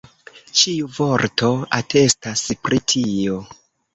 Ĉiu vorto atestas pri tio.